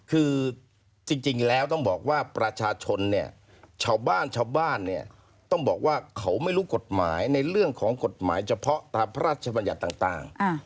คือจริงแล้วต้องบอกว่าประชาชนเนี่ยชาวบ้านชาวบ้านเนี่ยต้องบอกว่าเขาไม่รู้กฎหมายในเรื่องของกฎหมายเฉพาะตามพระราชบัญญัติต่าง